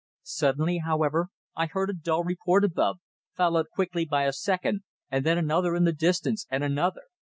Suddenly, however, I heard a dull report above, followed quickly by a second, and then another in the distance, and another.